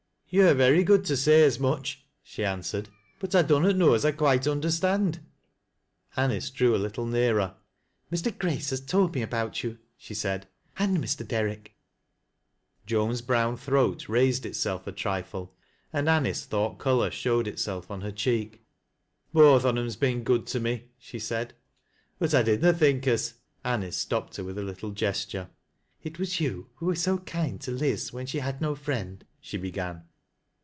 "To' are very good to say as much," she answered " but I dunnot know as I quite underetand —" Anice drew a little nearer. " Mr. Grace has told me about you," she said. " And Mx. Derrick" Joan's brown throat raised itself a trifle, and Anice tliOEght color showed itself on her cheek. " Both on 'em's been good to me," she said, " but I did na think as —" Anice stopped her with a little gesture. •'' It was you who were so kind to Liz when she had no friend," she began.